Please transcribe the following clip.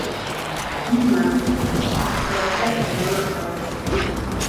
Мин матур, Әптеләхәт ямаҡай!